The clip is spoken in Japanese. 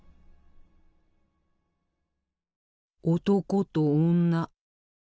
男と女。